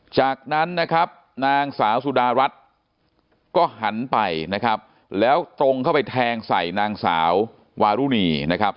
จากนั้นนะครับนางสาวสุดารัฐก็หันไปนะครับแล้วตรงเข้าไปแทงใส่นางสาววารุณีนะครับ